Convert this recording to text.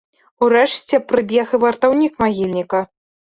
Урэшце прыбег і вартаўнік магільніка.